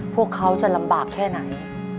พวกเขาจะลำบากแค่ไหน